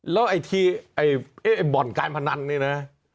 แล้วไอ้ที่ไอ้ไอ้บ่อนการพนันเนี่ยนะ